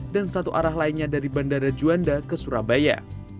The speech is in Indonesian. dan satu arah lainnya dari bandara juanda ke surabaya